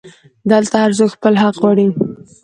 دلته هرڅوک خپل حق غواړي